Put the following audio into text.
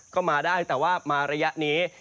ก็มาได้แต่ว่ามาระยะนี้